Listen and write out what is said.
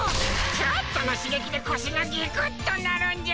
ちょっとの刺激で腰がギクッとなるんじゃ。